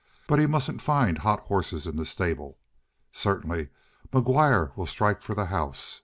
But he mustn't find hot horses in the stable. Certainly McGuire will strike for the house.